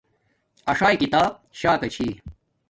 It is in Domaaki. اݽاݵݵ کتاب شاکا چھی